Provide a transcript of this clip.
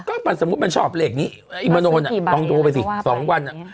ก็มันสมมุติมันชอบเลขนี้อิบาโนเนี่ยต้องดูไปสิ๒วันอ่ะ